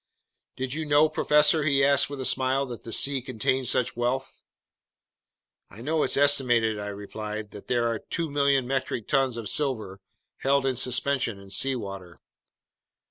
"Did you know, professor," he asked me with a smile, "that the sea contained such wealth?" "I know it's estimated," I replied, "that there are 2,000,000 metric tons of silver held in suspension in seawater."